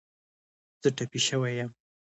زه ټپې شوی یم